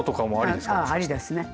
ありですね。